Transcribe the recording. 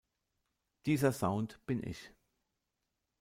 Dieser Sound bin ich.